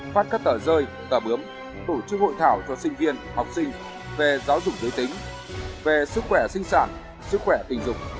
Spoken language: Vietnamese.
phát các tờ rơi tờ bướm tổ chức hội thảo cho sinh viên học sinh về giáo dục giới tính về sức khỏe sinh sản sức khỏe tình dục